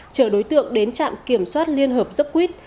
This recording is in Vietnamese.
trở đối tượng đến trạm kiểm soát liên hợp dốc quyết